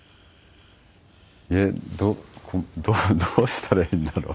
えっどうしたらいいんだろう？